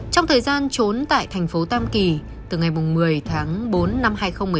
trong thời gian trốn tại thành phố tam kỳ từ ngày một mươi tháng bốn năm hai nghìn một mươi tám